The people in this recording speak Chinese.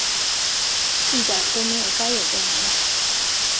一点都没有该有的礼貌